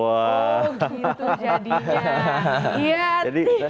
oh gitu jadinya